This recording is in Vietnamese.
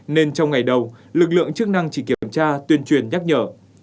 nên trong ngày đầu lực lượng chức năng chỉ kiểm tra tuyên truyền nhắc nhở